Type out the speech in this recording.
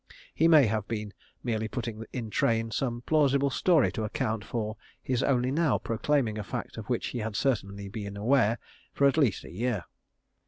He may have been merely putting in train some plausible story to account for his only now proclaiming a fact of which he had certainly been aware for at least a year.